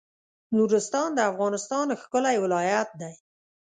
نورستان د افغانستان ښکلی ولایت دی